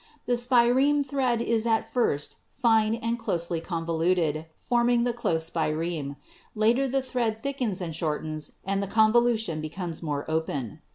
The spireme thread is at first fine and closely convoluted, form ing the 'close spireme.' Later the thread thickens and shortens and the convolution becomes more open.